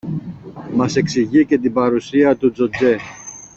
Μας εξηγεί και την παρουσία του Τζοτζέ